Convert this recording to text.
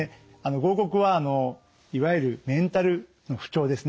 合谷はいわゆるメンタルの不調ですね